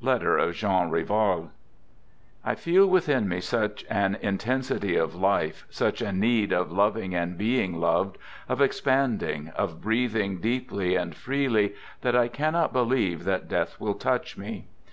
(Letter of Jean Rival) I feel within me such an intensity of life, such a need of loving and being loved, of expanding, of breathing deeply and freely, that I cannot believe that death will touch me.